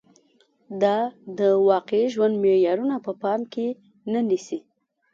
دا د واقعي ژوند معيارونه په پام کې نه نیسي